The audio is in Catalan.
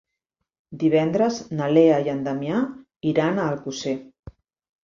Divendres na Lea i en Damià iran a Alcosser.